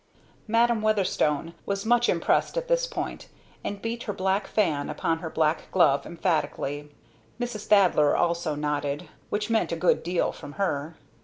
Madam Weatherstone was much impressed at this point, and beat her black fan upon her black glove emphatically. Mrs. Thaddler also nodded; which meant a good deal from her.